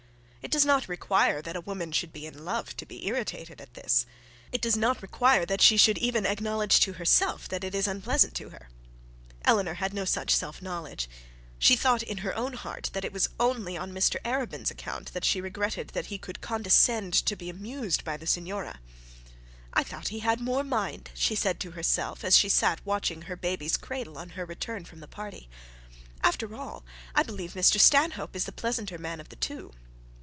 It does not require that a woman should be in love to be irritated at this; it does not require that she should even acknowledge to herself that it was unpleasant to her. Eleanor had no such self knowledge. She thought in her own heart it was only on Mr Arabin's account that she regretted that he could condescend to be amused by the signora. 'I thought he had more mind,' she said to herself, as she sat watching her baby's cradle on her return from the party. 'After all, I believe Mr Stanhope is the pleasanter man of the two.'